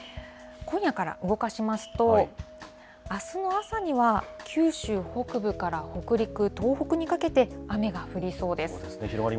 今夜から動かしますと、あすの朝には、九州北部から北陸、東北にかけて雨が降りそうです。